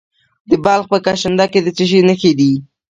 د بلخ په کشنده کې د څه شي نښې دي؟